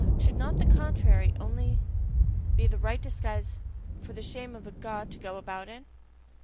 Should not the CONTRARY only be the right disguise for the shame of a God to go about in?